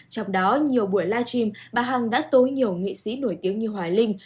trong đó nhiều buổi live stream bà hằng đã tối nhiều nghị sĩ nổi tiếng như hòa linh